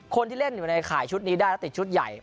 คนที่เล่นอยู่ในข่ายชุดนี้ได้แล้วติดชุดใหญ่